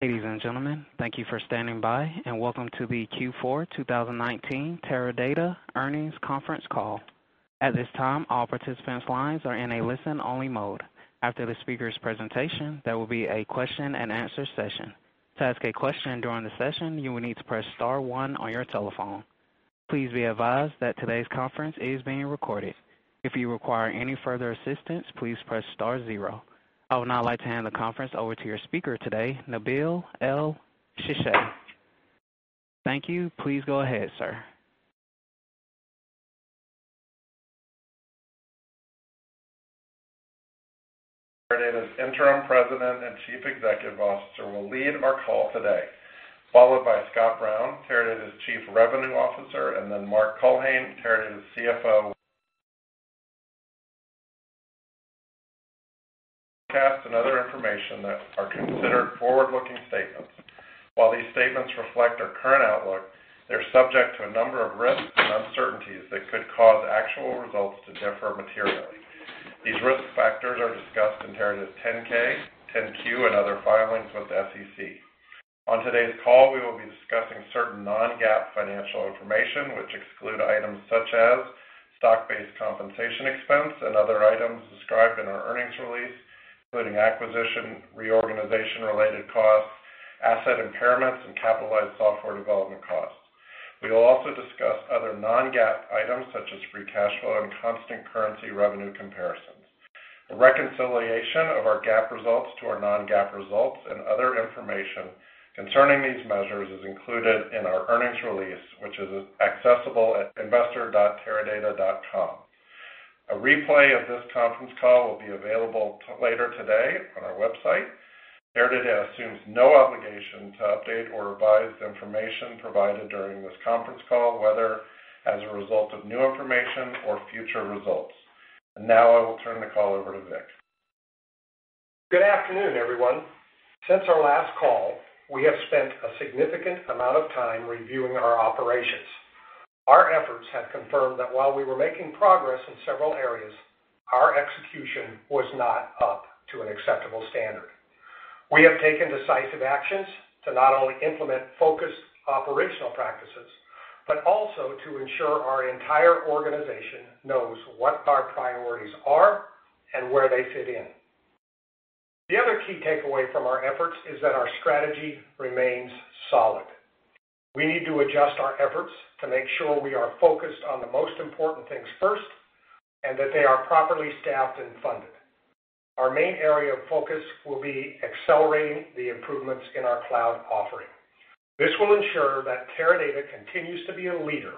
Ladies and gentlemen, thank you for standing by, and welcome to the Q4 2019 Teradata Earnings Conference Call. At this time, all participants' lines are in a listen-only mode. After the speaker's presentation, there will be a question-and-answer session. To ask a question during the session, you will need to press star one on your telephone. Please be advised that today's conference is being recorded. If you require any further assistance, please press star zero. I would now like to hand the conference over to your speaker today, Nabil Elsheshai. Thank you. Please go ahead, sir. Teradata's Interim President and Chief Executive Officer will lead our call today, followed by Scott Brown, Teradata's Chief Revenue Officer, and then Mark Culhane, Teradata's CFO. Cast and other information that are considered forward-looking statements. While these statements reflect our current outlook, they're subject to a number of risks and uncertainties that could cause actual results to differ materially. These risk factors are discussed in Teradata's 10-K, 10-Q, and other filings with the SEC. On today's call, we will be discussing certain non-GAAP financial information, which exclude items such as stock-based compensation expense and other items described in our earnings release, including acquisition reorganization-related costs, asset impairments, and capitalized software development costs. We will also discuss other non-GAAP items such as free cash flow and constant currency revenue comparisons. A reconciliation of our GAAP results to our non-GAAP results and other information concerning these measures is included in our earnings release, which is accessible at investor.teradata.com. A replay of this conference call will be available later today on our website. Teradata assumes no obligation to update or revise information provided during this conference call, whether as a result of new information or future results. I will turn the call over to Vic. Good afternoon, everyone. Since our last call, we have spent a significant amount of time reviewing our operations. Our efforts have confirmed that while we were making progress in several areas, our execution was not up to an acceptable standard. We have taken decisive actions to not only implement focused operational practices, but also to ensure our entire organization knows what our priorities are and where they fit in. The other key takeaway from our efforts is that our strategy remains solid. We need to adjust our efforts to make sure we are focused on the most important things first, and that they are properly staffed and funded. Our main area of focus will be accelerating the improvements in our cloud offering. This will ensure that Teradata continues to be a leader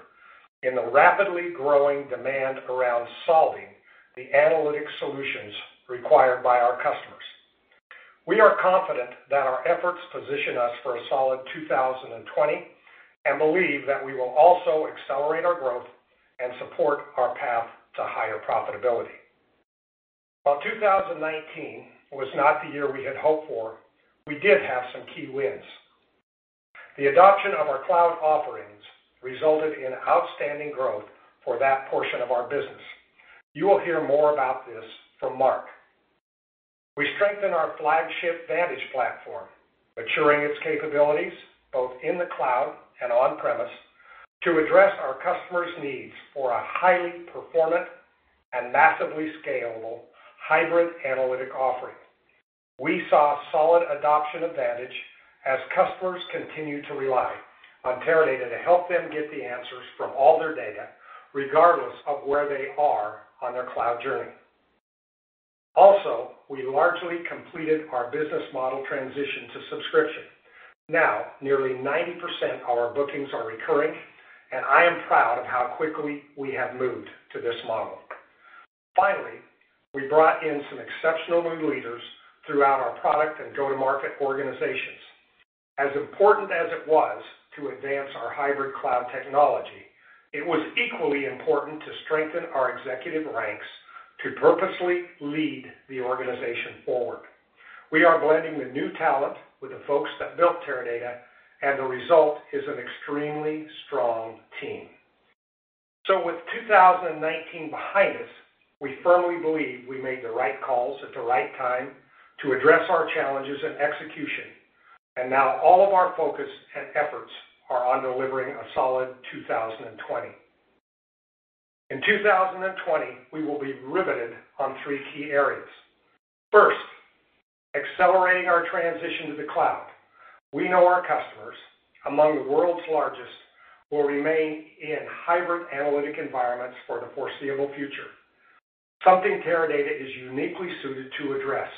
in the rapidly growing demand around solving the analytic solutions required by our customers. We are confident that our efforts position us for a solid 2020, and believe that we will also accelerate our growth and support our path to higher profitability. While 2019 was not the year we had hoped for, we did have some key wins. The adoption of our cloud offerings resulted in outstanding growth for that portion of our business. You will hear more about this from Mark. We strengthened our flagship Vantage platform, maturing its capabilities both in the cloud and on-premise, to address our customers' needs for a highly performant and massively scalable hybrid analytic offering. We saw solid adoption of Vantage as customers continue to rely on Teradata to help them get the answers from all their data, regardless of where they are on their cloud journey. Also, we largely completed our business model transition to subscription. Now, nearly 90% of our bookings are recurring, and I am proud of how quickly we have moved to this model. We brought in some exceptional new leaders throughout our product and go-to-market organizations. As important as it was to advance our hybrid cloud technology, it was equally important to strengthen our executive ranks to purposely lead the organization forward. We are blending the new talent with the folks that built Teradata, and the result is an extremely strong team. With 2019 behind us, we firmly believe we made the right calls at the right time to address our challenges in execution, and now all of our focus and efforts are on delivering a solid 2020. In 2020, we will be riveted on three key areas. First, accelerating our transition to the cloud. We know our customers, among the world's largest, will remain in hybrid analytic environments for the foreseeable future, something Teradata is uniquely suited to address.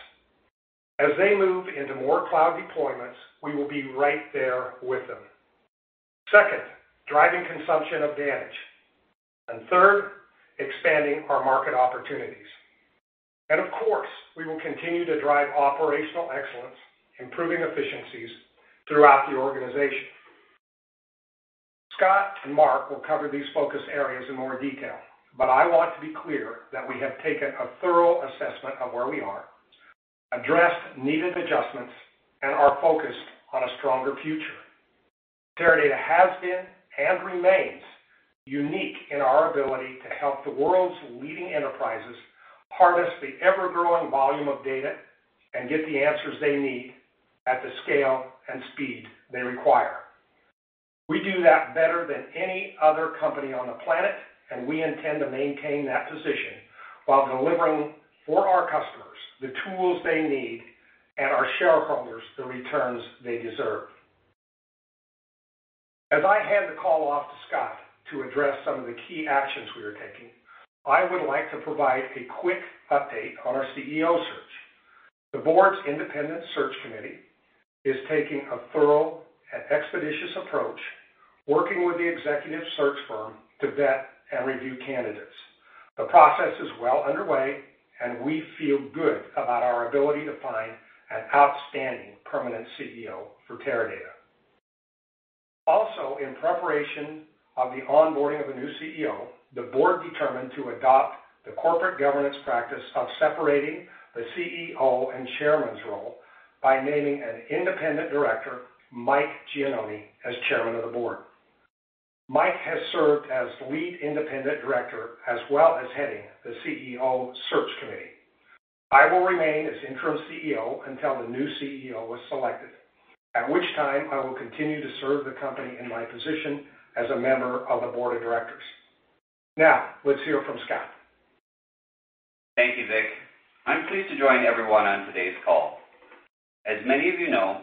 As they move into more cloud deployments, we will be right there with them. Second, driving consumption of Vantage. Third, expanding our market opportunities. Of course, we will continue to drive operational excellence, improving efficiencies throughout the organization. Scott and Mark will cover these focus areas in more detail, but I want to be clear that we have taken a thorough assessment of where we are, addressed needed adjustments, and are focused on a stronger future. Teradata has been, and remains, unique in our ability to help the world's leading enterprises harness the ever-growing volume of data and get the answers they need at the scale and speed they require. We do that better than any other company on the planet, and we intend to maintain that position while delivering for our customers the tools they need, and our shareholders the returns they deserve. As I hand the call off to Scott to address some of the key actions we are taking, I would like to provide a quick update on our CEO search. The Board's independent search committee is taking a thorough and expeditious approach, working with the executive search firm to vet and review candidates. The process is well underway, and we feel good about our ability to find an outstanding permanent CEO for Teradata. Also, in preparation of the onboarding of a new CEO, the Board determined to adopt the corporate governance practice of separating the CEO and chairman's role by naming an independent director, Mike Gianoni, as Chairman of the Board. Mike has served as lead independent director, as well as heading the CEO search committee. I will remain as interim CEO until the new CEO is selected, at which time I will continue to serve the company in my position as a member of the board of directors. Let's hear from Scott. Thank you, Vic. I'm pleased to join everyone on today's call. As many of you know,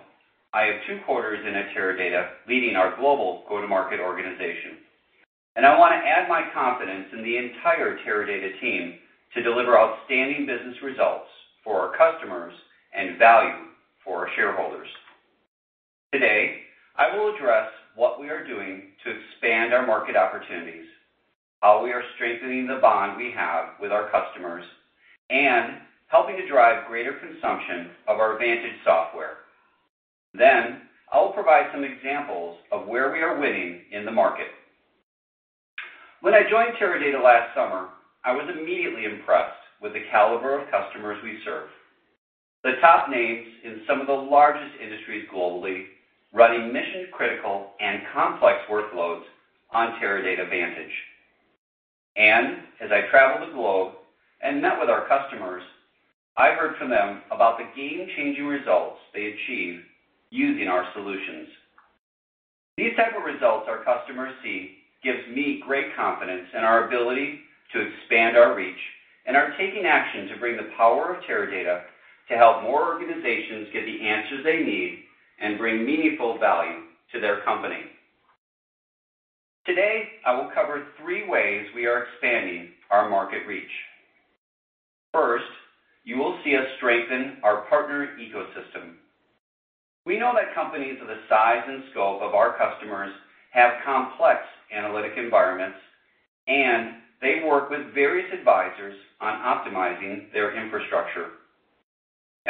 I have two quarters in at Teradata leading our global go-to-market organization, and I want to add my confidence in the entire Teradata team to deliver outstanding business results for our customers and value for our shareholders. Today, I will address what we are doing to expand our market opportunities, how we are strengthening the bond we have with our customers, and helping to drive greater consumption of our Vantage software. I will provide some examples of where we are winning in the market. When I joined Teradata last summer, I was immediately impressed with the caliber of customers we serve. The top names in some of the largest industries globally, running mission-critical and complex workloads on Teradata Vantage. As I traveled the globe and met with our customers, I heard from them about the game-changing results they achieve using our solutions. These type of results our customers see gives me great confidence in our ability to expand our reach, and are taking action to bring the power of Teradata to help more organizations get the answers they need and bring meaningful value to their company. Today, I will cover three ways we are expanding our market reach. First, you will see us strengthen our partner ecosystem. We know that companies of the size and scope of our customers have complex analytic environments, and they work with various advisors on optimizing their infrastructure.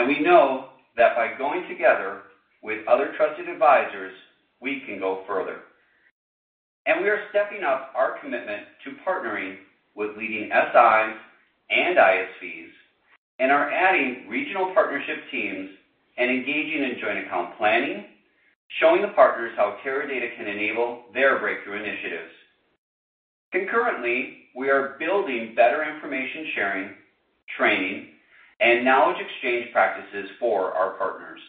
We know that by going together with other trusted advisors, we can go further. We are stepping up our commitment to partnering with leading SIs and ISVs and are adding regional partnership teams and engaging in joint account planning, showing the partners how Teradata can enable their breakthrough initiatives. Concurrently, we are building better information sharing, training, and knowledge exchange practices for our partners.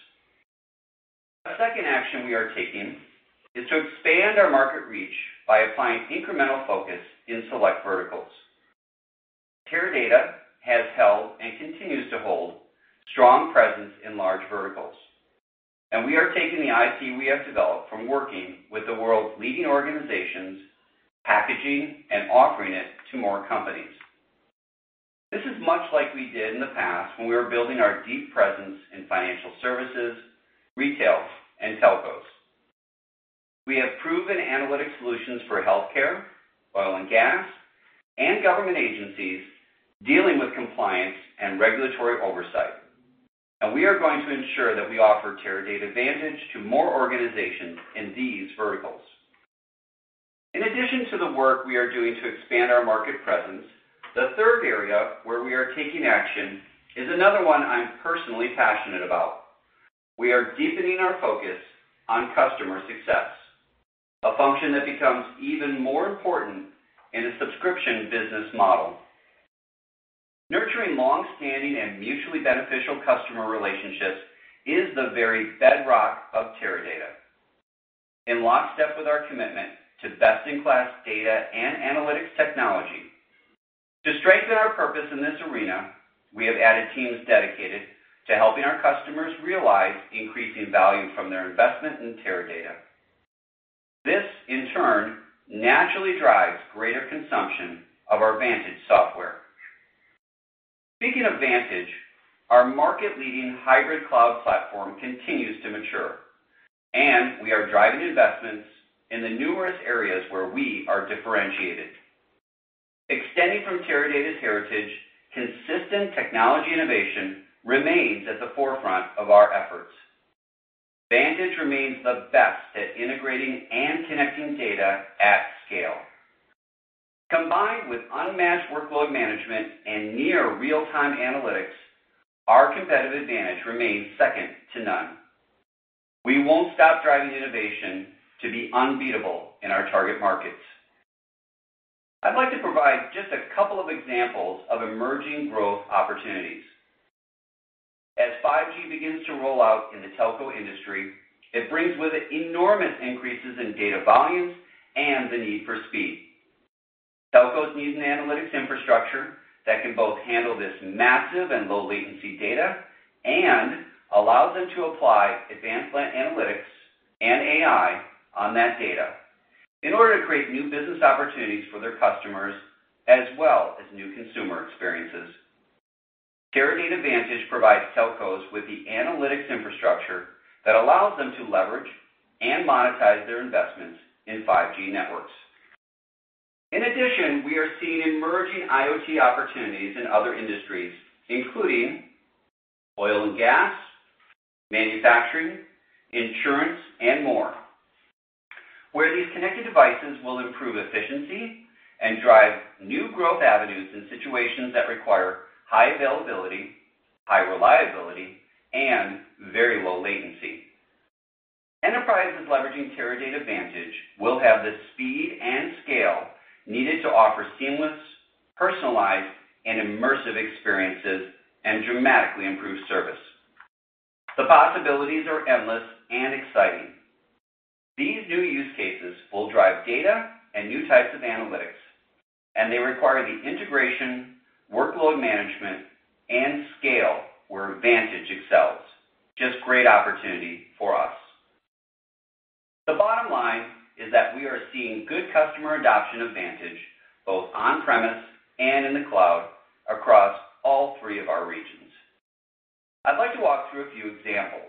A second action we are taking is to expand our market reach by applying incremental focus in select verticals. Teradata has held, and continues to hold, strong presence in large verticals, and we are taking the IP we have developed from working with the world's leading organizations, packaging and offering it to more companies. This is much like we did in the past when we were building our deep presence in financial services, retail, and telcos. We have proven analytic solutions for healthcare, oil and gas, and government agencies dealing with compliance and regulatory oversight. We are going to ensure that we offer Teradata Vantage to more organizations in these verticals. In addition to the work we are doing to expand our market presence, the third area where we are taking action is another one I'm personally passionate about. We are deepening our focus on customer success, a function that becomes even more important in a subscription business model. Nurturing long-standing and mutually beneficial customer relationships is the very bedrock of Teradata, in lockstep with our commitment to best-in-class data and analytics technology. To strengthen our purpose in this arena, we have added teams dedicated to helping our customers realize increasing value from their investment in Teradata. This, in turn, naturally drives greater consumption of our Vantage software. Speaking of Vantage, our market-leading hybrid cloud platform continues to mature, and we are driving investments in the numerous areas where we are differentiated. Extending from Teradata's heritage, consistent technology innovation remains at the forefront of our efforts. Vantage remains the best at integrating and connecting data at scale. Combined with unmatched workload management and near real-time analytics, our competitive advantage remains second to none. We won't stop driving innovation to be unbeatable in our target markets. I'd like to provide just a couple of examples of emerging growth opportunities. As 5G begins to roll out in the telco industry, it brings with it enormous increases in data volumes and the need for speed. Telcos need an analytics infrastructure that can both handle this massive and low latency data and allows them to apply advanced analytics and AI on that data in order to create new business opportunities for their customers, as well as new consumer experiences. Teradata Vantage provides telcos with the analytics infrastructure that allows them to leverage and monetize their investments in 5G networks. In addition, we are seeing emerging IoT opportunities in other industries, including oil and gas, manufacturing, insurance, and more, where these connected devices will improve efficiency and drive new growth avenues in situations that require high availability, high reliability, and very low latency. Enterprises leveraging Teradata Vantage will have the speed and scale needed to offer seamless, personalized, and immersive experiences, and dramatically improve service. The possibilities are endless and exciting. These new use cases will drive data and new types of analytics, and they require the integration, workload management, and scale where Vantage excels. Just great opportunity for us. The bottom line is that we are seeing good customer adoption of Vantage, both on-premise and in the cloud, across all three of our regions. I'd like to walk through a few examples.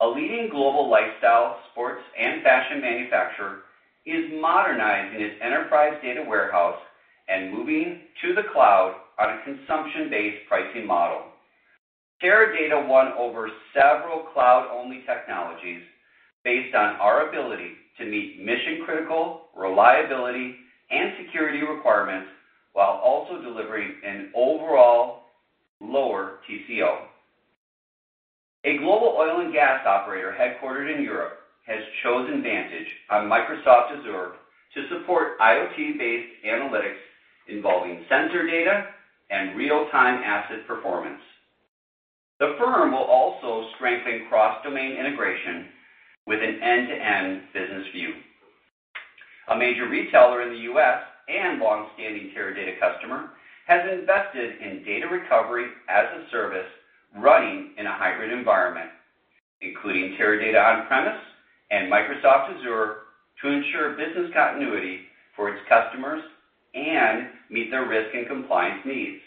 A leading global lifestyle, sports, and fashion manufacturer is modernizing its enterprise data warehouse and moving to the cloud on a consumption-based pricing model. Teradata won over several cloud-only technologies based on our ability to meet mission-critical, reliability, and security requirements, while also delivering an overall lower TCO. A global oil and gas operator headquartered in Europe has chosen Vantage on Microsoft Azure to support IoT-based analytics involving sensor data and real-time asset performance. The firm will also strengthen cross-domain integration with an end-to-end business view. A major retailer in the U.S., and longstanding Teradata customer, has invested in Disaster Recovery-as-a-Service running in a hybrid environment, including Teradata on-premise and Microsoft Azure, to ensure business continuity for its customers and meet their risk and compliance needs.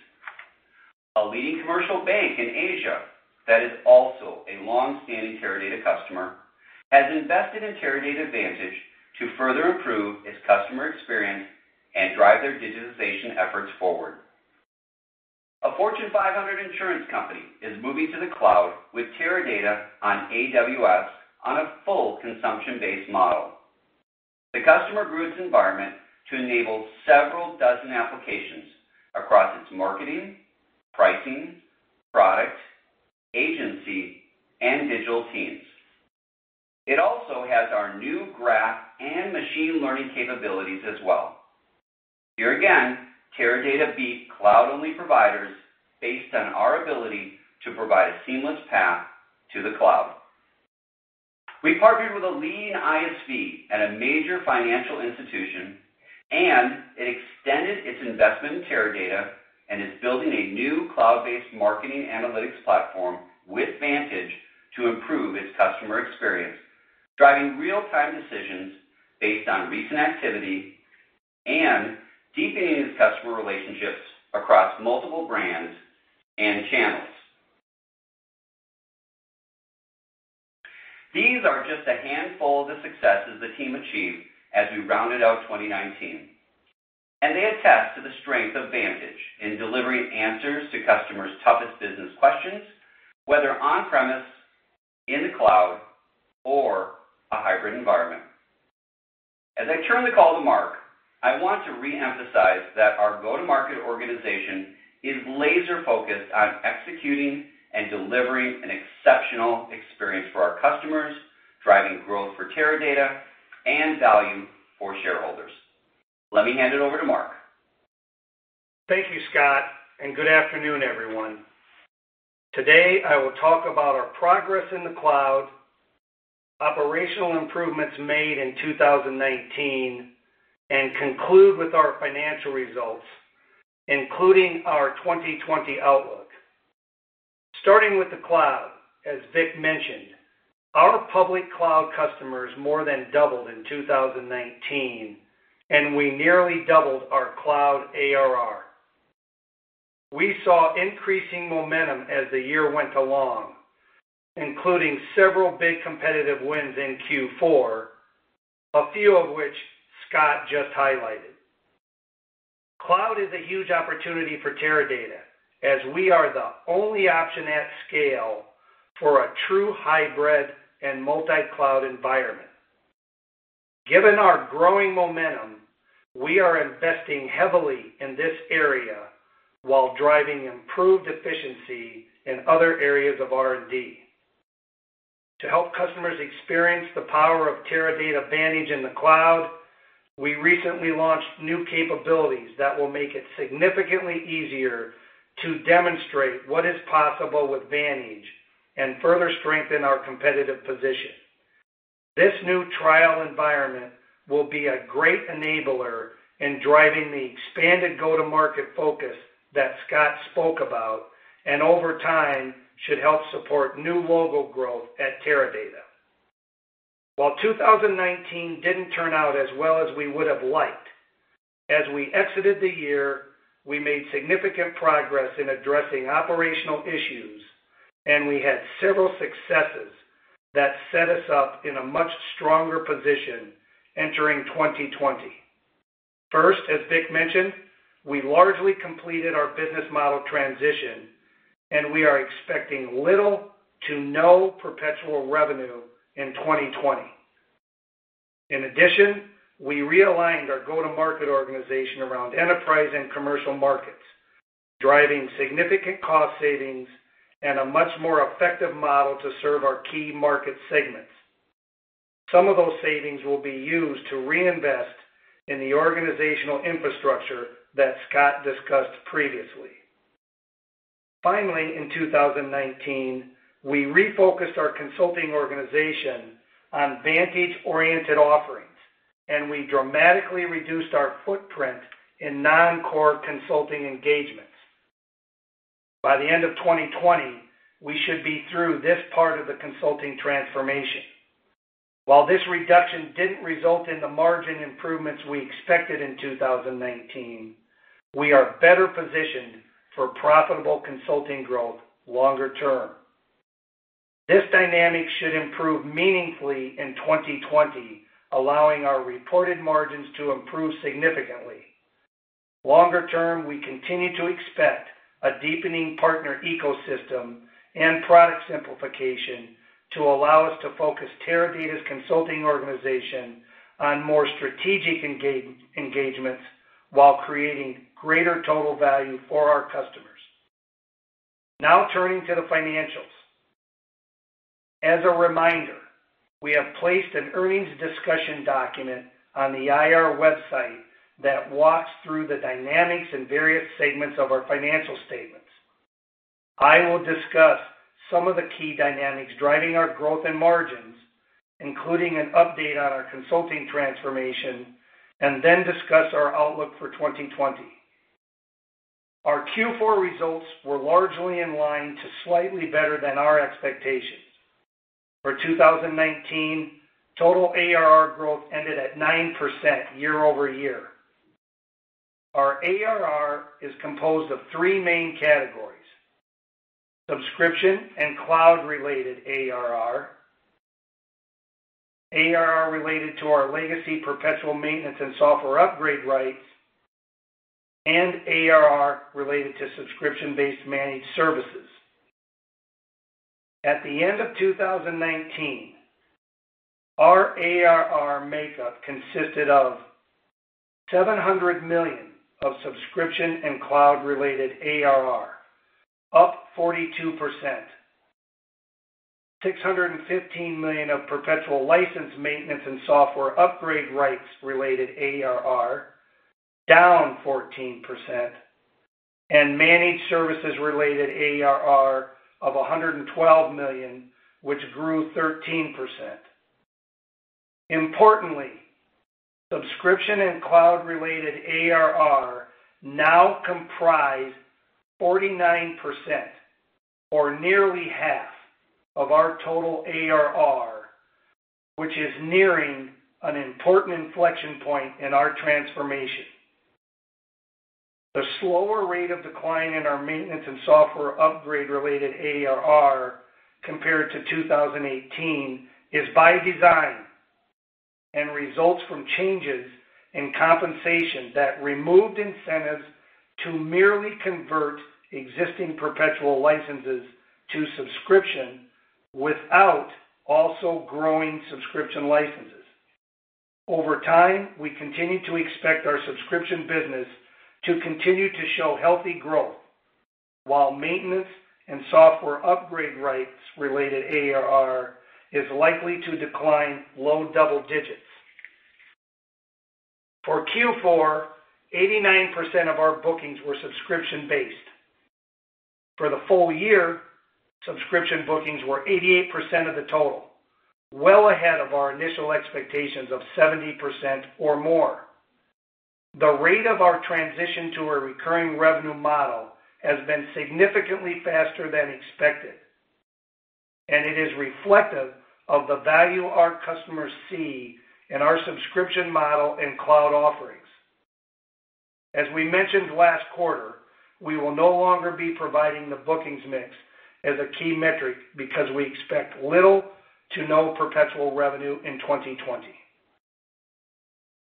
A leading commercial bank in Asia that is also a longstanding Teradata customer, has invested in Teradata Vantage to further improve its customer experience and drive their digitization efforts forward. A Fortune 500 insurance company is moving to the cloud with Teradata on AWS on a full consumption-based model. The customer grew its environment to enable several dozen applications across its marketing, pricing, product, agency, and digital teams. It also has our new graph and machine learning capabilities as well. Here again, Teradata beat cloud-only providers based on our ability to provide a seamless path to the cloud. We partnered with a leading ISV at a major financial institution, and it extended its investment in Teradata, and is building a new cloud-based marketing analytics platform with Vantage to improve its customer experience, driving real-time decisions based on recent activity, and deepening its customer relationships across multiple brands and channels. These are just a handful of the successes the team achieved as we rounded out 2019, and they attest to the strength of Vantage in delivering answers to customers' toughest business questions, whether on-premise, in the cloud, or a hybrid environment. As I turn the call to Mark, I want to reemphasize that our go-to-market organization is laser-focused on executing and delivering an exceptional experience for our customers, driving growth for Teradata, and value for shareholders. Let me hand it over to Mark. Thank you, Scott, and good afternoon, everyone. Today, I will talk about our progress in the cloud, operational improvements made in 2019, and conclude with our financial results, including our 2020 outlook. Starting with the cloud, as Vic mentioned, our public cloud customers more than doubled in 2019, and we nearly doubled our cloud ARR. We saw increasing momentum as the year went along, including several big competitive wins in Q4, a few of which Scott just highlighted. Cloud is a huge opportunity for Teradata, as we are the only option at scale for a true hybrid and multi-cloud environment. Given our growing momentum, we are investing heavily in this area while driving improved efficiency in other areas of R&D. To help customers experience the power of Teradata Vantage in the cloud, we recently launched new capabilities that will make it significantly easier to demonstrate what is possible with Vantage and further strengthen our competitive position. This new trial environment will be a great enabler in driving the expanded go-to-market focus that Scott spoke about, and over time, should help support new logo growth at Teradata. While 2019 didn't turn out as well as we would have liked, as we exited the year, we made significant progress in addressing operational issues, and we had several successes that set us up in a much stronger position entering 2020. First, as Vic mentioned, we largely completed our business model transition, and we are expecting little to no perpetual revenue in 2020. In addition, we realigned our go-to-market organization around enterprise and commercial markets, driving significant cost savings, and a much more effective model to serve our key market segments. Some of those savings will be used to reinvest in the organizational infrastructure that Scott discussed previously. Finally, in 2019, we refocused our consulting organization on Vantage-oriented offerings, and we dramatically reduced our footprint in non-core consulting engagements. By the end of 2020, we should be through this part of the consulting transformation. While this reduction didn't result in the margin improvements we expected in 2019, we are better positioned for profitable consulting growth longer term. This dynamic should improve meaningfully in 2020, allowing our reported margins to improve significantly. Longer term, we continue to expect a deepening partner ecosystem and product simplification to allow us to focus Teradata's consulting organization on more strategic engagements while creating greater total value for our customers. Now turning to the financials. As a reminder, we have placed an earnings discussion document on the IR website that walks through the dynamics and various segments of our financial statements. I will discuss some of the key dynamics driving our growth and margins, including an update on our consulting transformation, and then discuss our outlook for 2020. Our Q4 results were largely in line to slightly better than our expectations. For 2019, total ARR growth ended at 9% year-over-year. Our ARR is composed of three main categories. Subscription and cloud related ARR related to our legacy perpetual maintenance and software upgrade rights, and ARR related to subscription-based managed services. At the end of 2019, our ARR makeup consisted of $700 million of subscription and cloud related ARR, up 42%, $615 million of perpetual license maintenance and software upgrade rights related ARR, down 14%, and managed services related ARR of $112 million, which grew 13%. Subscription and cloud related ARR now comprise 49%, or nearly half of our total ARR, which is nearing an important inflection point in our transformation. The slower rate of decline in our maintenance and software upgrade related ARR compared to 2018 is by design, and results from changes in compensation that removed incentives to merely convert existing perpetual licenses to subscription without also growing subscription licenses. Over time, we continue to expect our subscription business to continue to show healthy growth, while maintenance and software upgrade rights related ARR is likely to decline low double digits. For Q4, 89% of our bookings were subscription-based. For the full year, subscription bookings were 88% of the total, well ahead of our initial expectations of 70% or more. The rate of our transition to a recurring revenue model has been significantly faster than expected, and it is reflective of the value our customers see in our subscription model and cloud offerings. As we mentioned last quarter, we will no longer be providing the bookings mix as a key metric because we expect little to no perpetual revenue in 2020.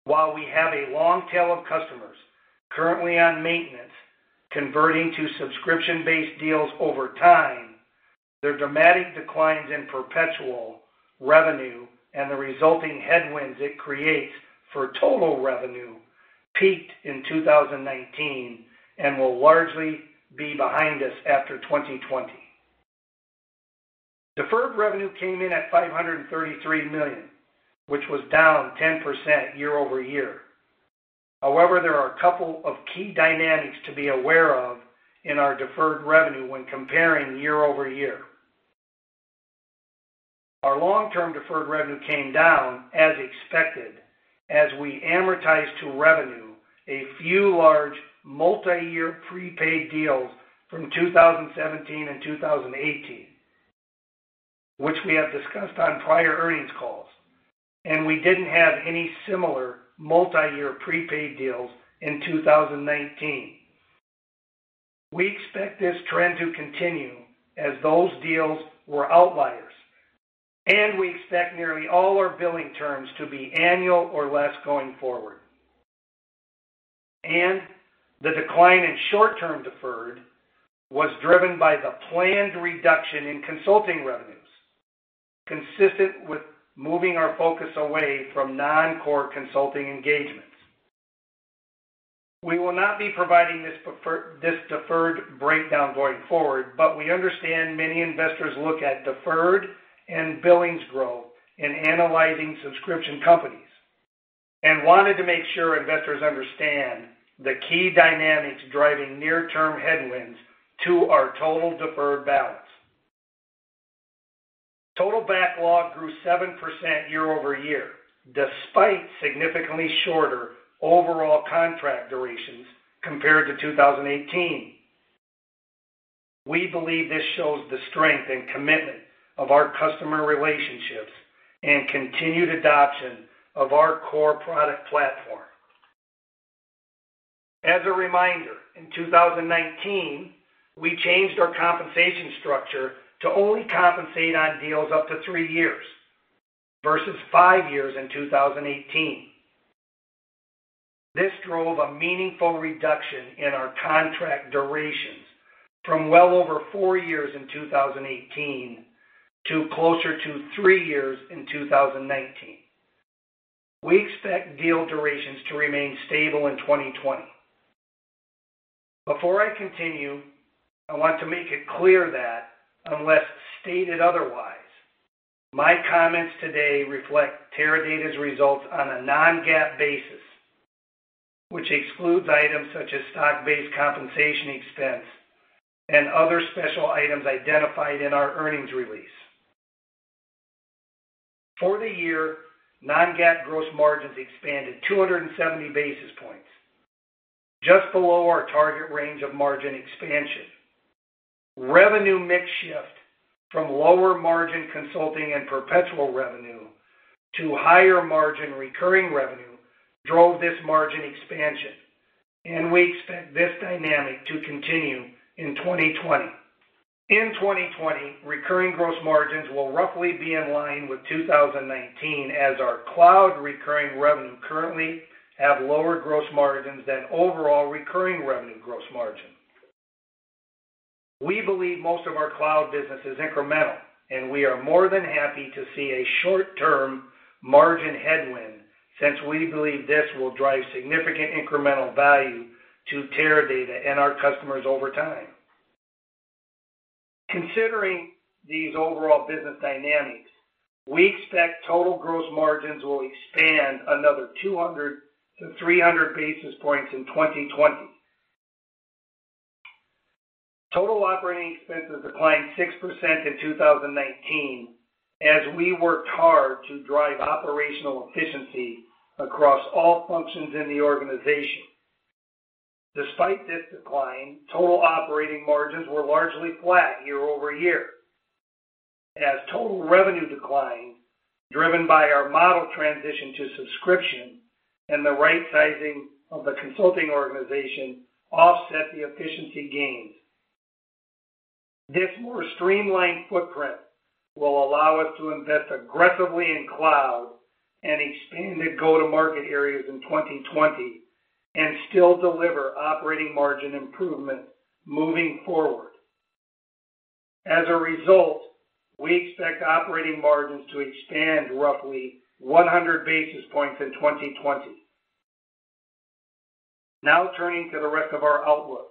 While we have a long tail of customers currently on maintenance converting to subscription-based deals over time, the dramatic declines in perpetual revenue and the resulting headwinds it creates for total revenue peaked in 2019 and will largely be behind us after 2020. Deferred revenue came in at $533 million, which was down 10% year-over-year. However, there are a couple of key dynamics to be aware of in our deferred revenue when comparing year-over-year. Our long-term deferred revenue came down as expected, as we amortize to revenue a few large multi-year prepaid deals from 2017 and 2018, which we have discussed on prior earnings calls, and we didn't have any similar multi-year prepaid deals in 2019. We expect this trend to continue as those deals were outliers, we expect nearly all our billing terms to be annual or less going forward. The decline in short-term deferred was driven by the planned reduction in consulting revenues, consistent with moving our focus away from non-core consulting engagements. We will not be providing this deferred breakdown going forward, but we understand many investors look at deferred and billings growth in analyzing subscription companies, and wanted to make sure investors understand the key dynamics driving near-term headwinds to our total deferred balance. Total backlog grew 7% year-over-year, despite significantly shorter overall contract durations compared to 2018. We believe this shows the strength and commitment of our customer relationships and continued adoption of our core product platform. As a reminder, in 2019, we changed our compensation structure to only compensate on deals up to three years versus five years in 2018. This drove a meaningful reduction in our contract durations from well over four years in 2018 to closer to three years in 2019. We expect deal durations to remain stable in 2020. Before I continue, I want to make it clear that unless stated otherwise, my comments today reflect Teradata's results on a non-GAAP basis, which excludes items such as stock-based compensation expense and other special items identified in our earnings release. For the year, non-GAAP gross margins expanded 270 basis points, just below our target range of margin expansion. Revenue mix shift from lower margin consulting and perpetual revenue to higher margin recurring revenue drove this margin expansion, and we expect this dynamic to continue in 2020. In 2020, recurring gross margins will roughly be in line with 2019 as our cloud recurring revenue currently have lower gross margins than overall recurring revenue gross margin. We believe most of our cloud business is incremental, and we are more than happy to see a short-term margin headwind since we believe this will drive significant incremental value to Teradata and our customers over time. Considering these overall business dynamics, we expect total gross margins will expand another 200 basis points-300 basis points in 2020. Total operating expenses declined 6% in 2019 as we worked hard to drive operational efficiency across all functions in the organization. Despite this decline, total operating margins were largely flat year-over-year, as total revenue declined driven by our model transition to subscription and the right sizing of the consulting organization offset the efficiency gains. This more streamlined footprint will allow us to invest aggressively in cloud and expanded go-to-market areas in 2020, and still deliver operating margin improvement moving forward. As a result, we expect operating margins to expand roughly 100 basis points in 2020. Turning to the rest of our outlook.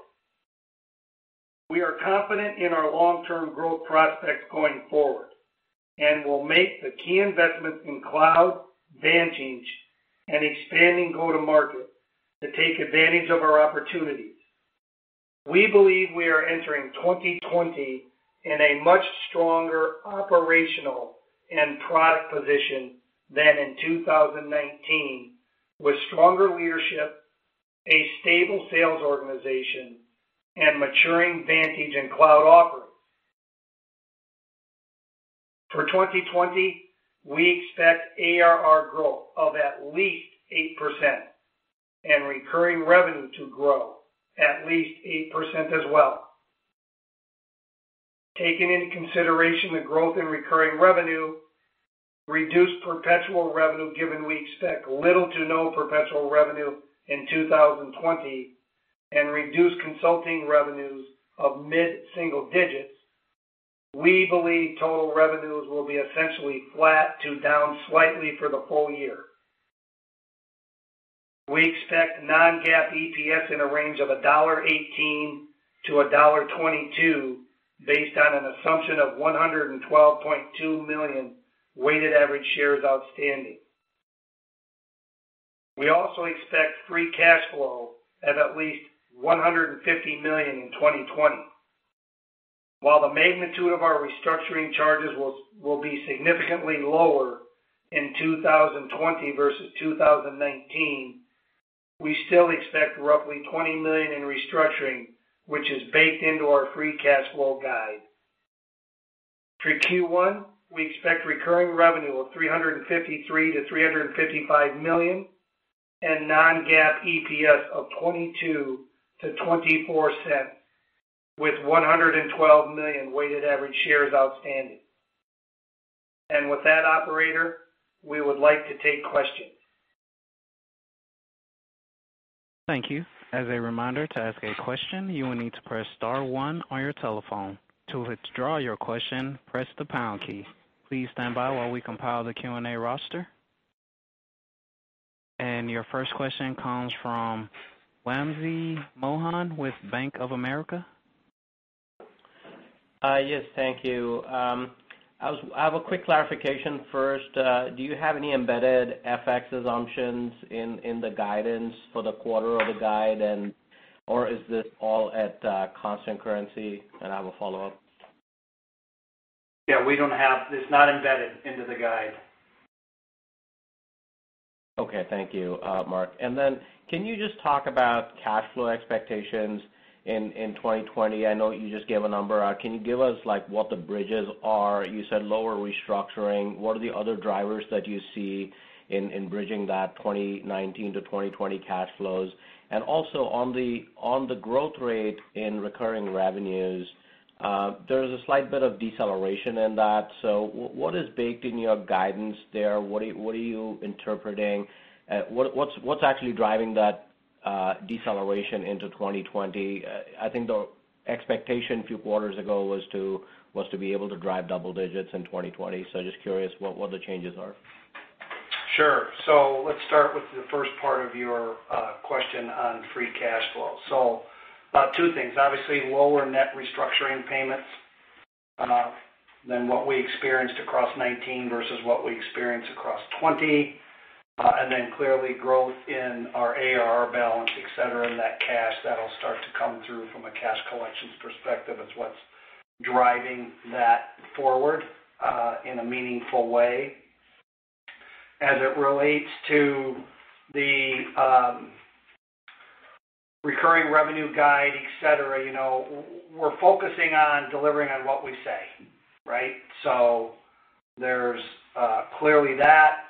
We are confident in our long-term growth prospects going forward, and will make the key investments in cloud, Vantage, and expanding go-to-market to take advantage of our opportunities. We believe we are entering 2020 in a much stronger operational and product position than in 2019, with stronger leadership, a stable sales organization, and maturing Vantage and cloud offerings. For 2020, we expect ARR growth of at least 8% and recurring revenue to grow at least 8% as well. Taking into consideration the growth in recurring revenue, reduced perpetual revenue given we expect little to no perpetual revenue in 2020, and reduced consulting revenues of mid-single digits, we believe total revenues will be essentially flat to down slightly for the full year. We expect non-GAAP EPS in a range of $1.18-$1.22 based on an assumption of 112.2 million weighted average shares outstanding. We also expect free cash flow at least $150 million in 2020. While the magnitude of our restructuring charges will be significantly lower in 2020 versus 2019, we still expect roughly $20 million in restructuring, which is baked into our free cash flow guide. For Q1, we expect recurring revenue of $353 million-$355 million and non-GAAP EPS of $0.22-$0.24 with 112 million weighted average shares outstanding. With that operator, we would like to take questions. Thank you. As a reminder, to ask a question, you will need to press star one on your telephone. To withdraw your question, press the pound key. Please stand by while we compile the Q&A roster. Your first question comes from Wamsi Mohan with Bank of America. Yes, thank you. I have a quick clarification first. Do you have any embedded FX assumptions in the guidance for the quarter of the guide? Is this all at constant currency? I have a follow-up. Yeah, it's not embedded into the guide. Okay, thank you, Mark. Then can you just talk about cash flow expectations in 2020? I know you just gave a number. Can you give us what the bridges are? You said lower restructuring. What are the other drivers that you see in bridging that 2019 to 2020 cash flows? Also on the growth rate in recurring revenues, there's a slight bit of deceleration in that. What is baked in your guidance there? What are you interpreting? What's actually driving that deceleration into 2020? I think the expectation a few quarters ago was to be able to drive double digits in 2020. Just curious what the changes are. Sure. Let's start with the first part of your question on free cash flow. Two things, obviously lower net restructuring payments than what we experienced across 2019 versus what we experienced across 2020. Clearly growth in our ARR balance, et cetera, and that cash that will start to come through from a cash collections perspective is what's driving that forward in a meaningful way. As it relates to the recurring revenue guide, et cetera, we're focusing on delivering on what we say, right? There's clearly that.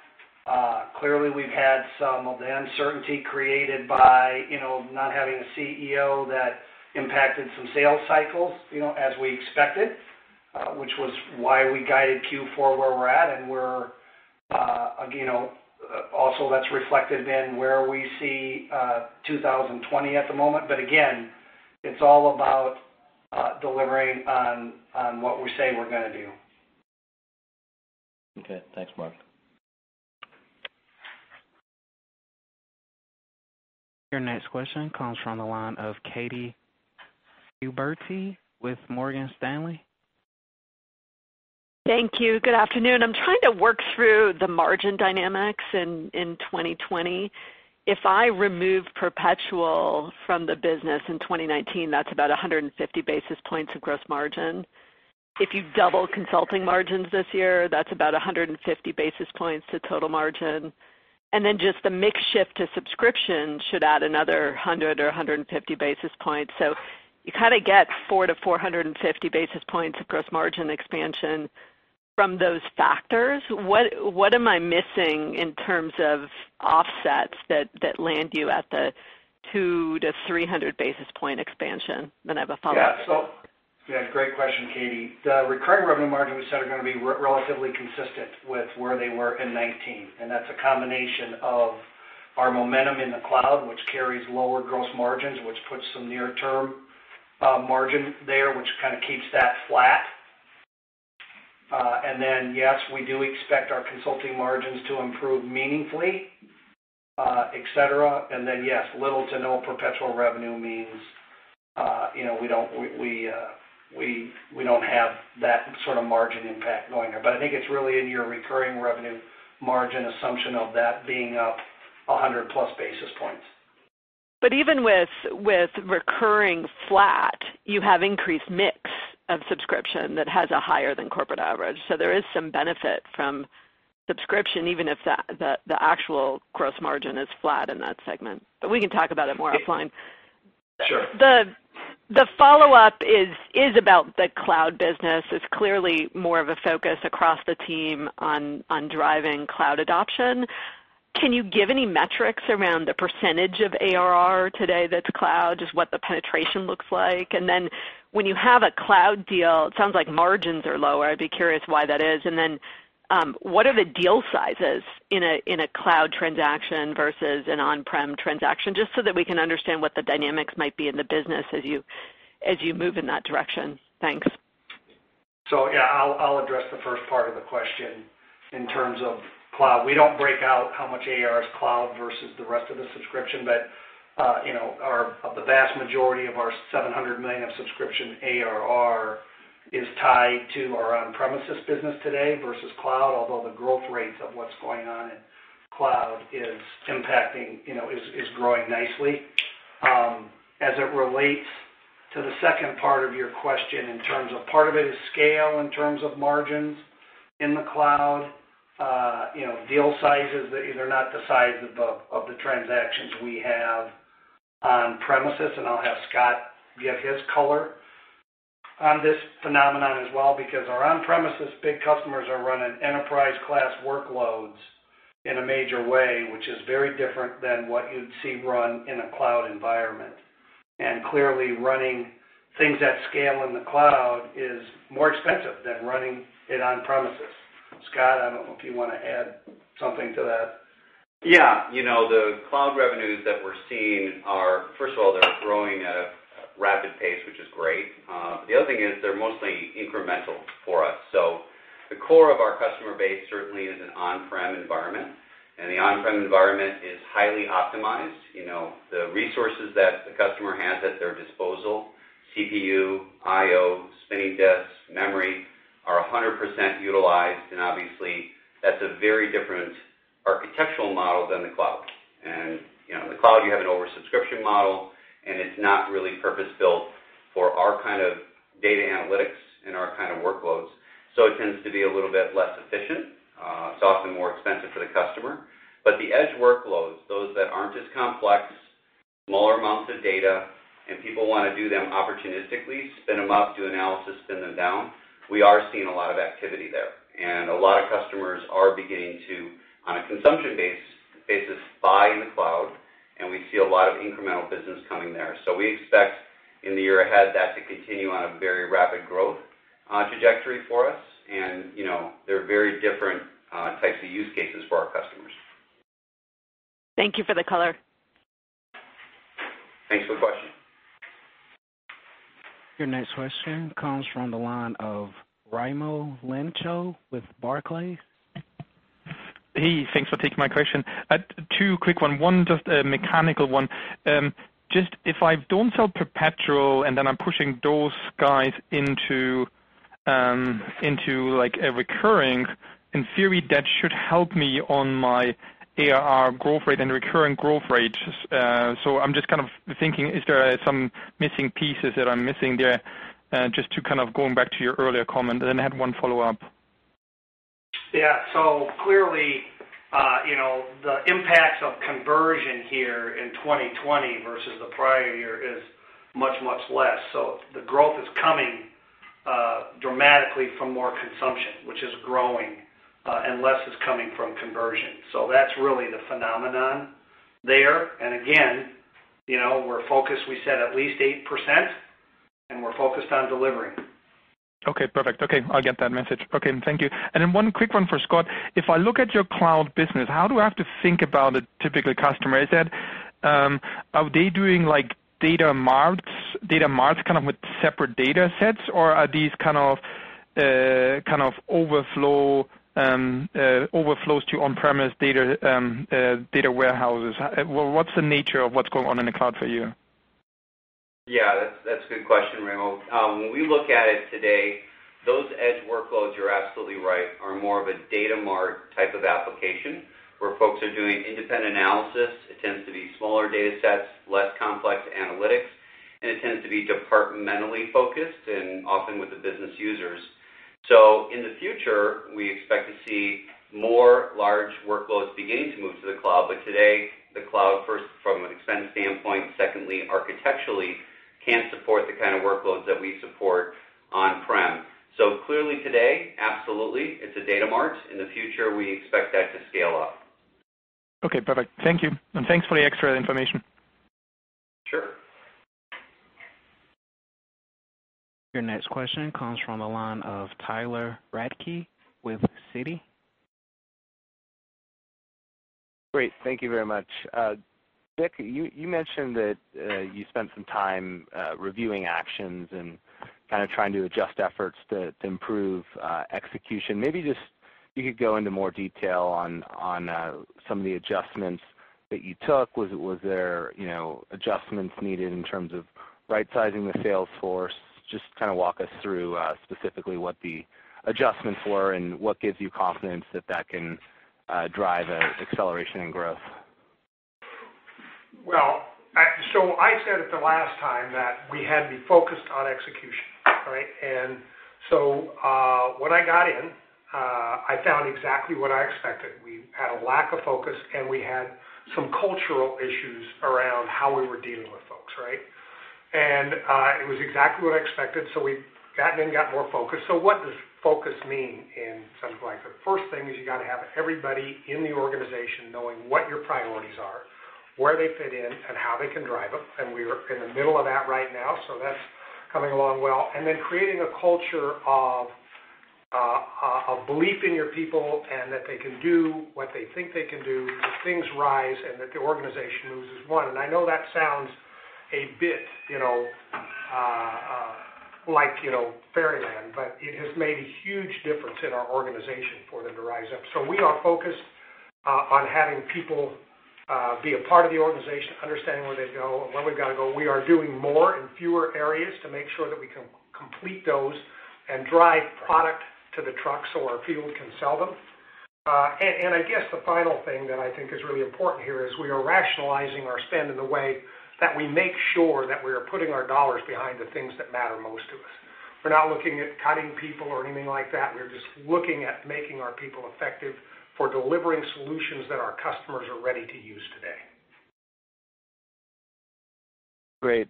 Clearly we've had some of the uncertainty created by not having a CEO that impacted some sales cycles as we expected, which was why we guided Q4 where we're at and also that's reflected in where we see 2020 at the moment. Again, it's all about delivering on what we say we're going to do. Okay. Thanks, Mark. Your next question comes from the line of Katy Huberty with Morgan Stanley. Thank you. Good afternoon. I'm trying to work through the margin dynamics in 2020. If I remove perpetual from the business in 2019, that's about 150 basis points of gross margin. If you double consulting margins this year, that's about 150 basis points to total margin. Just the mix shift to subscription should add another 100 basis points or 150 basis points. You get 400 basis points-450 basis points of gross margin expansion from those factors. What am I missing in terms of offsets that land you at the 200 basis points-300 basis point expansion? I have a follow-up. Yeah, great question, Katy. The recurring revenue margin we said are going to be relatively consistent with where they were in 2019, and that's a combination of our momentum in the cloud, which carries lower gross margins, which puts some near-term margin there, which kind of keeps that flat. Yes, we do expect our consulting margins to improve meaningfully, et cetera. Yes, little to no perpetual revenue means we don't have that sort of margin impact going there. I think it's really in your recurring revenue margin assumption of that being up 100+ basis points. Even with recurring flat, you have increased mix of subscription that has a higher than corporate average. There is some benefit from subscription even if the actual gross margin is flat in that segment. We can talk about it more offline. Sure. The follow-up is about the cloud business. It's clearly more of a focus across the team on driving cloud adoption. Can you give any metrics around the percentage of ARR today that's cloud? Just what the penetration looks like. When you have a cloud deal, it sounds like margins are lower. I'd be curious why that is. What are the deal sizes in a cloud transaction versus an on-prem transaction? Just so that we can understand what the dynamics might be in the business as you move in that direction. Thanks. Yeah, I'll address the first part of the question in terms of cloud. We don't break out how much ARR is cloud versus the rest of the subscription, but the vast majority of our $700 million of subscription ARR is tied to our on-premises business today versus cloud. The growth rates of what's going on in cloud is growing nicely. It relates to the second part of your question, in terms of part of it is scale, in terms of margins in the cloud. Deal sizes, these are not the size of the transactions we have on-premises. I'll have Scott give his color on this phenomenon as well, because our on-premises big customers are running enterprise class workloads in a major way, which is very different than what you'd see run in a cloud environment. Clearly, running things at scale in the cloud is more expensive than running it on premises. Scott, I don't know if you want to add something to that. Yeah. The cloud revenues that we're seeing are, first of all, they're growing at a rapid pace, which is great. The other thing is they're mostly incremental for us. The core of our customer base certainly is an on-prem environment, and the on-prem environment is highly optimized. The resources that the customer has at their disposal, CPU, IO, spinning disks, memory, are 100% utilized, and obviously, that's a very different architectural model than the cloud. In the cloud, you have an oversubscription model, and it's not really purpose-built for our kind of data analytics and our kind of workloads, so it tends to be a little bit less efficient. It's often more expensive for the customer. The edge workloads, those that aren't as complex, smaller amounts of data, and people want to do them opportunistically, spin them up, do analysis, spin them down. We are seeing a lot of activity there. A lot of customers are beginning to, on a consumption basis, buy in the cloud, and we see a lot of incremental business coming there. We expect in the year ahead that to continue on a very rapid growth trajectory for us. They're very different types of use cases for our customers. Thank you for the color. Thanks for the question. Your next question comes from the line of Raimo Lenschow with Barclays. Hey, thanks for taking my question. Two quick one. One, just a mechanical one. Just if I don't sell perpetual and then I'm pushing those guys into a recurring, in theory, that should help me on my ARR growth rate and recurring growth rate. I'm just kind of thinking, is there some missing pieces that I'm missing there? Just to kind of going back to your earlier comment. Had one follow-up. Yeah. Clearly, the impacts of conversion here in 2020 versus the prior year is much, much less. The growth is coming dramatically from more consumption, which is growing, and less is coming from conversion. That's really the phenomenon there. Again, we're focused, we said at least 8%, and we're focused on delivering. Okay, perfect. Okay, I'll get that message. Okay, thank you. Then one quick one for Scott. If I look at your cloud business, how do I have to think about a typical customer? Are they doing data marts kind of with separate data sets? Are these kind of overflows to on-premise data warehouses? What's the nature of what's going on in the cloud for you? Yeah, that's a good question, Raimo. When we look at it today, those edge workloads, you're absolutely right, are more of a data mart type of application, where folks are doing independent analysis. It tends to be smaller data sets, less complex analytics, and it tends to be departmentally focused and often with the business users. In the future, we expect to see more large workloads beginning to move to the cloud. Today, the cloud, first from an expense standpoint, secondly, architecturally, can't support the kind of workloads that we support on-prem. Clearly today, absolutely, it's a data mart. In the future, we expect that to scale up. Okay, perfect. Thank you. Thanks for the extra information. Sure. Your next question comes from the line of Tyler Radke with Citi. Great. Thank you very much. Vic, you mentioned that you spent some time reviewing actions and kind of trying to adjust efforts to improve execution. Maybe just you could go into more detail on some of the adjustments that you took. Was there adjustments needed in terms of right-sizing the sales force? Just walk us through specifically what the adjustments were and what gives you confidence that that can drive acceleration and growth. I said it the last time that we had to be focused on execution, right? When I got in-I found exactly what I expected. We had a lack of focus, and we had some cultural issues around how we were dealing with folks, right? It was exactly what I expected. We've gotten in, got more focused. What does focus mean in Sun Life? The first thing is you got to have everybody in the organization knowing what your priorities are, where they fit in, and how they can drive them. We are in the middle of that right now, that's coming along well. Then creating a culture of belief in your people and that they can do what they think they can do, that things rise, and that the organization moves as one. I know that sounds a bit like fairyland, but it has made a huge difference in our organization for them to rise up. We are focused on having people be a part of the organization, understanding where they go and where we've got to go. We are doing more in fewer areas to make sure that we can complete those and drive product to the trucks so our field can sell them. I guess the final thing that I think is really important here is we are rationalizing our spend in the way that we make sure that we are putting our dollars behind the things that matter most to us. We're not looking at cutting people or anything like that. We're just looking at making our people effective for delivering solutions that our customers are ready to use today. Great.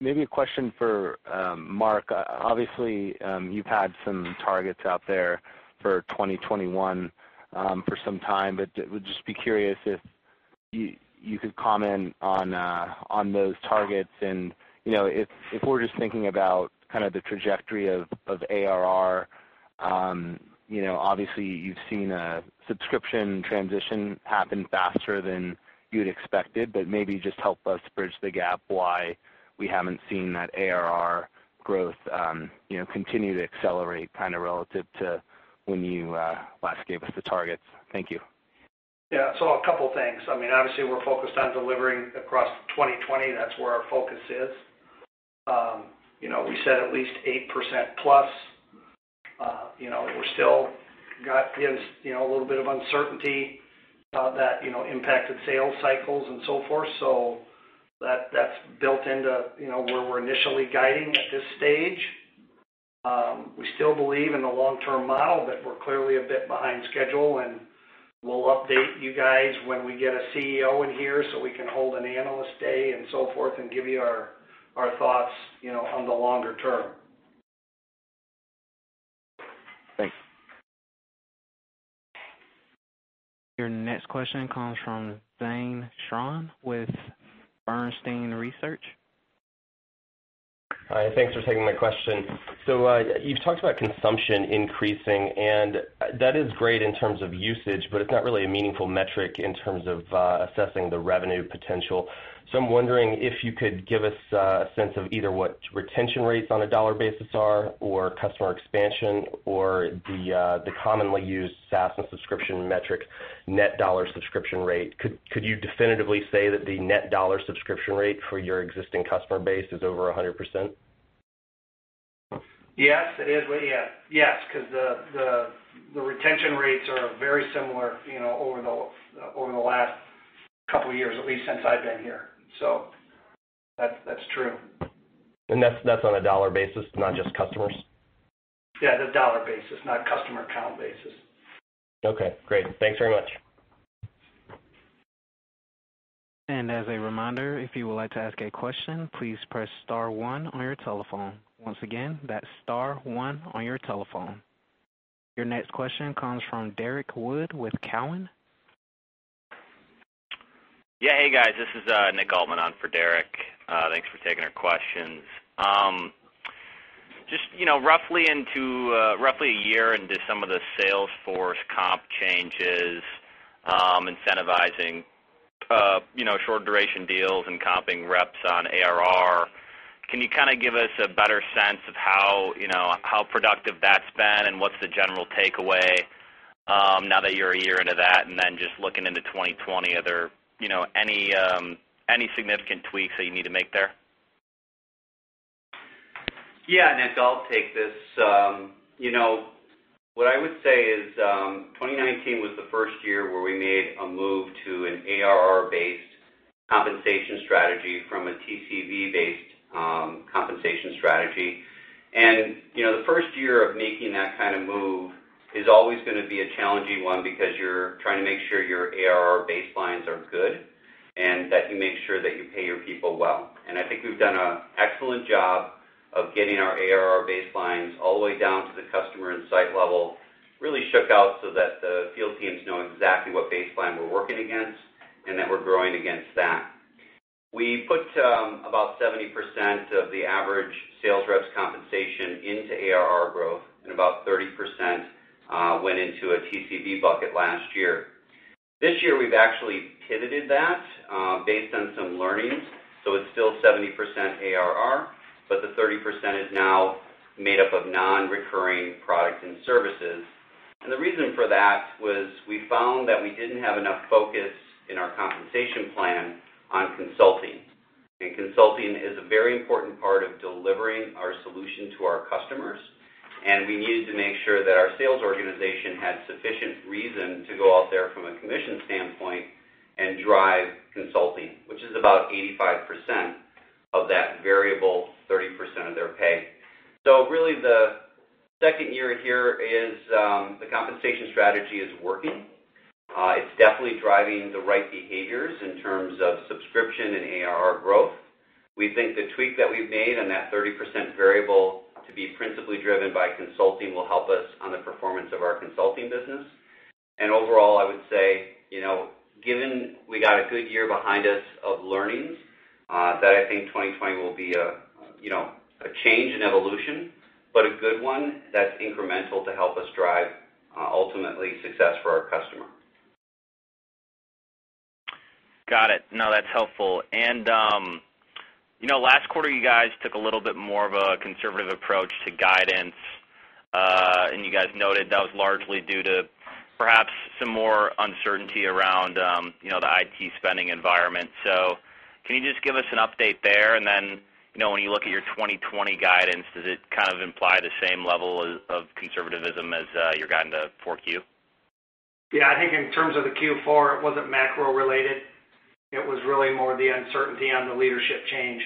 Maybe a question for Mark. Obviously, you've had some targets out there for 2021 for some time, would just be curious if you could comment on those targets and, if we're just thinking about the trajectory of ARR. Obviously, you've seen a subscription transition happen faster than you'd expected, maybe just help us bridge the gap why we haven't seen that ARR growth continue to accelerate relative to when you last gave us the targets. Thank you. Yeah. A couple things. Obviously, we're focused on delivering across 2020. That's where our focus is. We said at least 8%+. We've still got a little bit of uncertainty that impacted sales cycles and so forth, so that's built into where we're initially guiding at this stage. We still believe in the long-term model, but we're clearly a bit behind schedule, and we'll update you guys when we get a CEO in here so we can hold an analyst day and so forth and give you our thoughts on the longer term. Thanks. Your next question comes from Zane Chrane with Bernstein Research. Hi, thanks for taking my question. You've talked about consumption increasing, and that is great in terms of usage, but it's not really a meaningful metric in terms of assessing the revenue potential. I'm wondering if you could give us a sense of either what retention rates on a dollar basis are or customer expansion or the commonly used SaaS and subscription metric net dollar subscription rate. Could you definitively say that the net dollar subscription rate for your existing customer base is over 100%? Yes, it is. Yes, because the retention rates are very similar over the last couple years, at least since I've been here. That's true. That's on a dollar basis, not just customers? Yeah, the dollar basis, not customer account basis. Okay, great. Thanks very much. As a reminder, if you would like to ask a question, please press star one on your telephone. Once again, that's star one on your telephone. Your next question comes from Derrick Wood with Cowen. Yeah. Hey, guys, this is Nick Altmann on for Derek. Thanks for taking our questions. Just roughly a year into some of the Salesforce comp changes, incentivizing short-duration deals and comping reps on ARR, can you give us a better sense of how productive that's been and what's the general takeaway now that you're a year into that? Then just looking into 2020, are there any significant tweaks that you need to make there? Yeah, Nick, I'll take this. What I would say is 2019 was the first year where we made a move to an ARR-based compensation strategy from a TCV-based compensation strategy. The first year of making that kind of move is always going to be a challenging one because you're trying to make sure your ARR baselines are good and that you make sure that you pay your people well. I think we've done an excellent job of getting our ARR baselines all the way down to the customer and site level, really shook out so that the field teams know exactly what baseline we're working against and that we're growing against that. We put about 70% of the average sales rep's compensation into ARR growth and about 30% went into a TCV bucket last year. This year, we've actually pivoted that based on some learnings. It's still 70% ARR, but the 30% is now made up of non-recurring products and services. The reason for that was we found that we didn't have enough focus in our compensation plan on consulting. Consulting is a very important part of delivering our solution to our customers, and we needed to make sure that our sales organization had sufficient reason to go out there from a commission standpoint and drive consulting, which is about 85% of that variable 30% of their pay. Really, the second year here is the compensation strategy is working. It's definitely driving the right behaviors in terms of subscription and ARR growth. We think the tweak that we've made on that 30% variable to be principally driven by consulting will help us on the performance of our consulting business. Overall, I would say, given we got a good year behind us of learnings, that I think 2020 will be a change in evolution, but a good one that's incremental to help us drive ultimately success for our customer. Got it. No, that's helpful. Last quarter, you guys took a little bit more of a conservative approach to guidance. You guys noted that was largely due to perhaps some more uncertainty around the IT spending environment. Can you just give us an update there, and then when you look at your 2020 guidance, does it kind of imply the same level of conservatism as you're guiding to 4Q? Yeah, I think in terms of the Q4, it wasn't macro related. It was really more the uncertainty on the leadership change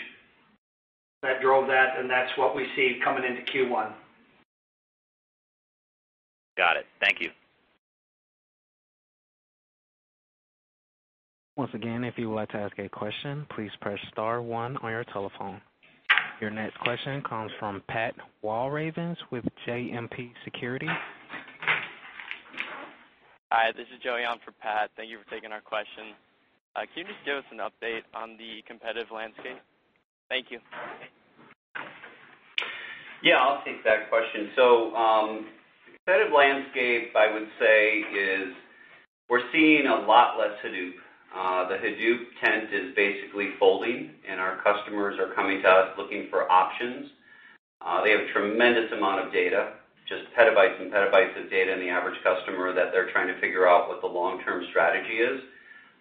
that drove that's what we see coming into Q1. Got it. Thank you. Once again, if you would like to ask a question, please press star one on your telephone. Your next question comes from Pat Walravens with JMP Securities. Hi, this is Joey on for Pat. Thank you for taking our question. Can you just give us an update on the competitive landscape? Thank you. Yeah, I'll take that question. Competitive landscape, I would say is we're seeing a lot less Hadoop. The Hadoop tent is basically folding, and our customers are coming to us looking for options. They have tremendous amount of data, just petabytes and petabytes of data in the average customer that they're trying to figure out what the long-term strategy is,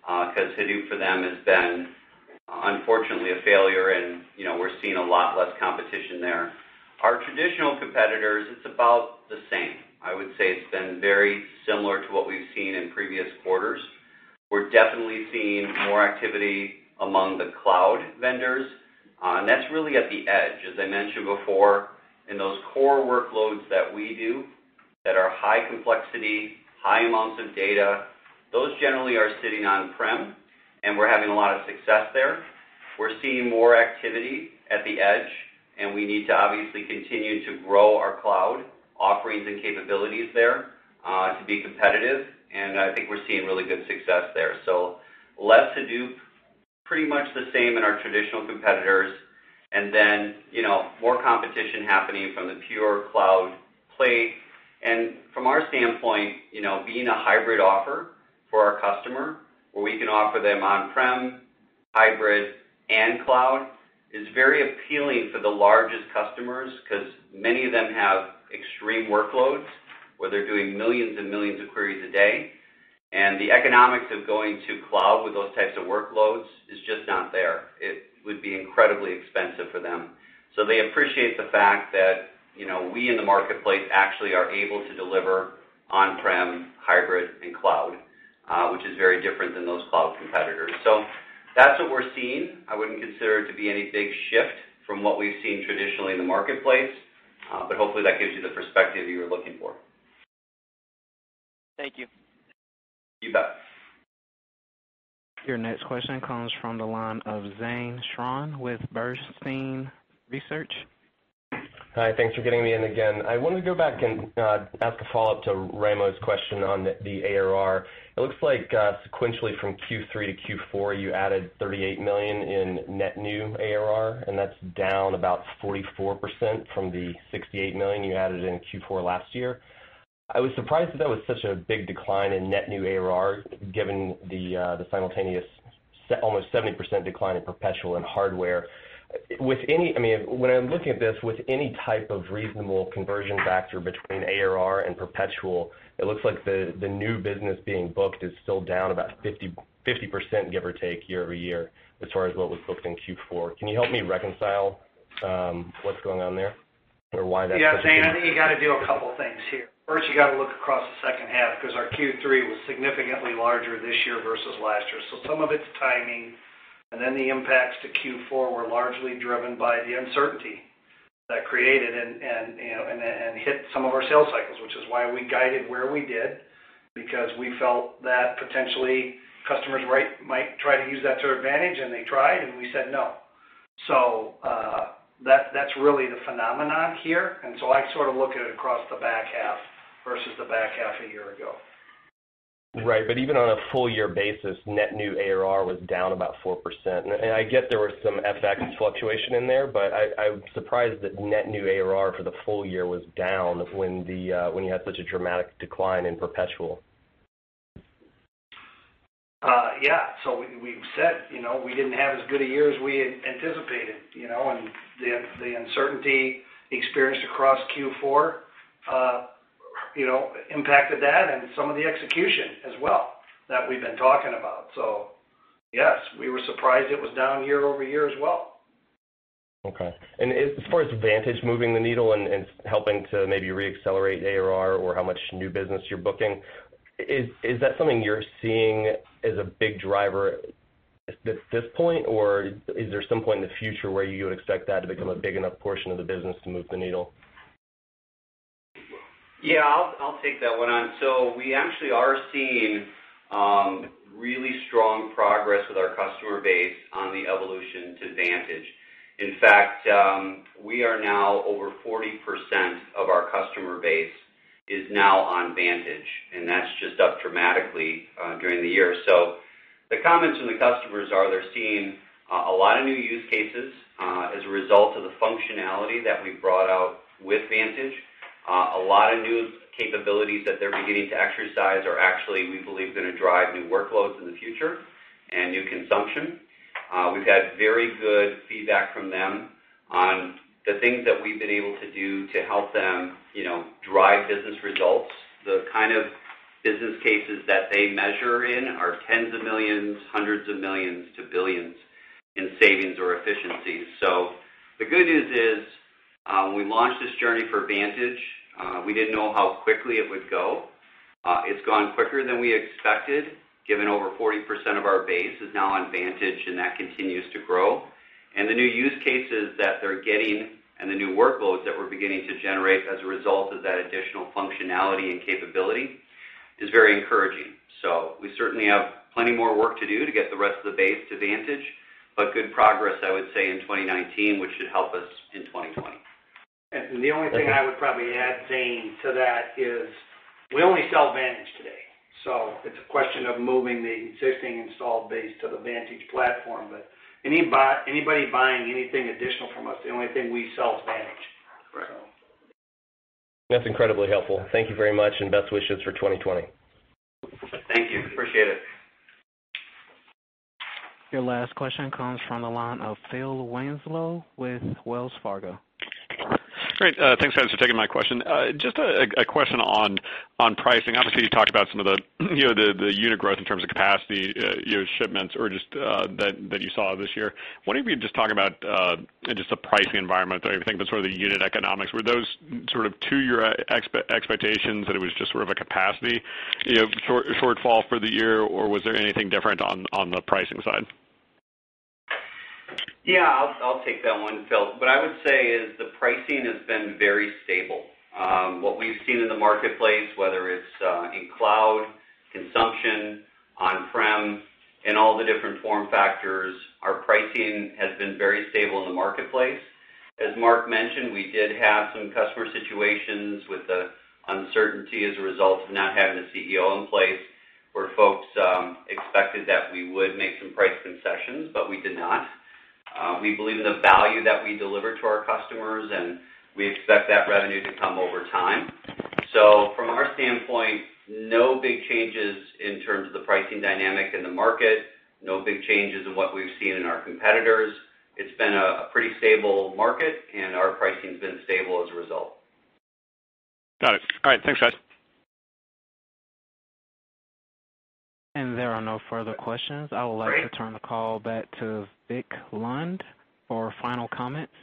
because Hadoop for them has been, unfortunately, a failure and we're seeing a lot less competition there. Our traditional competitors, it's about the same. I would say it's been very similar to what we've seen in previous quarters. We're definitely seeing more activity among the cloud vendors. That's really at the edge. As I mentioned before, in those core workloads that we do that are high complexity, high amounts of data, those generally are sitting on-prem, and we're having a lot of success there. We're seeing more activity at the edge. We need to obviously continue to grow our cloud offerings and capabilities there, to be competitive. I think we're seeing really good success there. Less Hadoop, pretty much the same in our traditional competitors. More competition happening from the pure cloud play. From our standpoint, being a hybrid offer for our customer, where we can offer them on-prem, hybrid, and cloud is very appealing for the largest customers because many of them have extreme workloads where they're doing millions and millions of queries a day. The economics of going to cloud with those types of workloads is just not there. It would be incredibly expensive for them. They appreciate the fact that we in the marketplace actually are able to deliver on-prem, hybrid, and cloud, which is very different than those cloud competitors. That's what we're seeing. I wouldn't consider it to be any big shift from what we've seen traditionally in the marketplace. Hopefully, that gives you the perspective you were looking for. Thank you. You bet. Your next question comes from the line of Zane Chrane with Bernstein Research. Hi. Thanks for getting me in again. I want to go back and ask a follow-up to Raimo's question on the ARR. It looks like sequentially from Q3 to Q4, you added $38 million in net new ARR, and that's down about 44% from the $68 million you added in Q4 last year. I was surprised that that was such a big decline in net new ARR given the simultaneous almost 70% decline in perpetual and hardware. When I'm looking at this with any type of reasonable conversion factor between ARR and perpetual, it looks like the new business being booked is still down about 50%, give or take, year-over-year as far as what was booked in Q4. Can you help me reconcile what's going on there or why that's the case? Yeah, Zane, I think you got to do a couple things here. First, you got to look across the second half because our Q3 was significantly larger this year versus last year. Some of it's timing, the impacts to Q4 were largely driven by the uncertainty that created and hit some of our sales cycles, which is why we guided where we did because we felt that potentially customers might try to use that to their advantage, and they tried, and we said no. That's really the phenomenon here. I sort of look at it across the back half versus the back half a year ago. Right. Even on a full year basis, net new ARR was down about 4%. I get there was some FX fluctuation in there, but I'm surprised that net new ARR for the full year was down when you had such a dramatic decline in perpetual. Yeah. We've said we didn't have as good a year as we had anticipated. The uncertainty experienced across Q4 impacted that and some of the execution as well that we've been talking about. Yes, we were surprised it was down year-over-year as well. Okay. As far as Vantage moving the needle and helping to maybe re-accelerate ARR or how much new business you're booking, is that something you're seeing as a big driver at this point? Or is there some point in the future where you would expect that to become a big enough portion of the business to move the needle? Yeah, I'll take that one on. We actually are seeing really strong progress with our customer base on the evolution to Vantage. In fact, we are now over 40% of our customer base is now on Vantage, and that's just up dramatically during the year. The comments from the customers are they're seeing a lot of new use cases, as a result of the functionality that we've brought out with Vantage. A lot of new capabilities that they're beginning to exercise are actually, we believe, going to drive new workloads in the future and new consumption. We've had very good feedback from them on the things that we've been able to do to help them drive business results. The kind of business cases that they measure in are tens of millions, hundreds of millions to billions in savings or efficiencies. The good news is, when we launched this journey for Vantage, we didn't know how quickly it would go. It's gone quicker than we expected, given over 40% of our base is now on Vantage, and that continues to grow. The new use cases that they're getting and the new workloads that we're beginning to generate as a result of that additional functionality and capability is very encouraging. We certainly have plenty more work to do to get the rest of the base to Vantage, but good progress, I would say, in 2019, which should help us in 2020. The only thing I would probably add, Zane, to that is we only sell Vantage today, so it's a question of moving the existing installed base to the Vantage platform. Anybody buying anything additional from us, the only thing we sell is Vantage. Right. That's incredibly helpful. Thank you very much and best wishes for 2020. Thank you. Appreciate it. Your last question comes from the line of Phil Winslow with Wells Fargo. Great, thanks, guys, for taking my question. Just a question on pricing. Obviously, you talked about some of the unit growth in terms of capacity, your shipments that you saw this year. What if you just talk about the pricing environment or everything that's sort of the unit economics. Were those sort of to your expectations, that it was just sort of a capacity shortfall for the year? Or was there anything different on the pricing side? Yeah, I'll take that one, Phil. What I would say is the pricing has been very stable. What we've seen in the marketplace, whether it's in cloud consumption, on-prem, and all the different form factors, our pricing has been very stable in the marketplace. As Mark mentioned, we did have some customer situations with the uncertainty as a result of not having a CEO in place where folks expected that we would make some price concessions. We did not. We believe in the value that we deliver to our customers. We expect that revenue to come over time. From our standpoint, no big changes in terms of the pricing dynamic in the market, no big changes in what we've seen in our competitors. It's been a pretty stable market. Our pricing's been stable as a result. Got it. All right, thanks, guys. If there are no further questions, I would like to turn the call back to Vic Lund for final comments.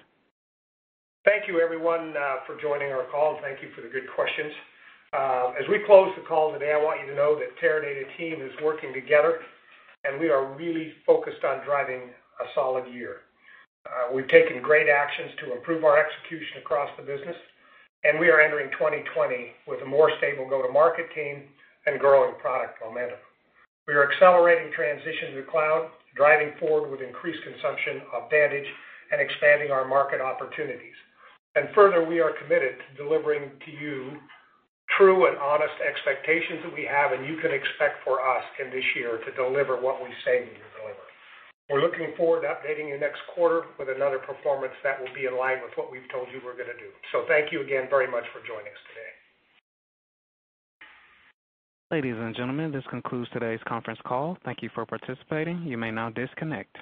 Thank you everyone for joining our call, and thank you for the good questions. As we close the call today, I want you to know that Teradata team is working together, and we are really focused on driving a solid year. We've taken great actions to improve our execution across the business, and we are entering 2020 with a more stable go-to-market team and growing product momentum. We are accelerating transition to the cloud, driving forward with increased consumption of Vantage, and expanding our market opportunities. Further, we are committed to delivering to you true and honest expectations that we have, and you can expect for us in this year to deliver what we say we will deliver. We're looking forward to updating you next quarter with another performance that will be in line with what we've told you we're going to do. Thank you again very much for joining us today. Ladies and gentlemen, this concludes today's conference call. Thank you for participating. You may now disconnect.